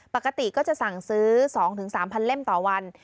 ปกติก็จะสั่งซื้อ๒๓๐๐เล่มต่อวัน